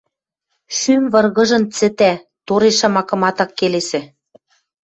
шӱм выргыжын цӹтӓ, тореш шамакымат ак келесӹ.